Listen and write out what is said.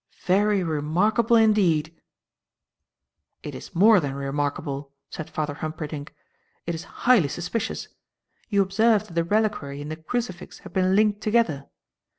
Very remarkable indeed!" "It is more than remarkable," said Father Humperdinck. "It is highly suspicious. You observe that the reliquary and the crucifix had been linked together.